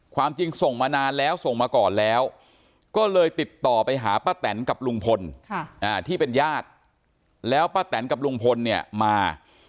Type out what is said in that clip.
ความจริงส่งมานานแล้วส่งมาก่อนแล้วก็เลยติดต่อไปหาป้าแตนกับลุงพลที่เป็นญาติแล้วป้าแตนกับลุงพลเนี่ยมา